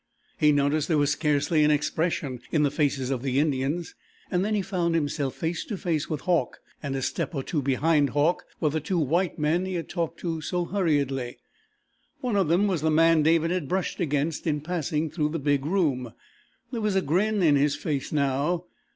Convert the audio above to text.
He noticed there was scarcely an expression in the faces of the Indians. And then he found himself face to face with Hauck, and a step or two behind Hauck were the two white men he had talked to so hurriedly. One of them was the man David had brushed against in passing through the big room. There was a grin in his face now.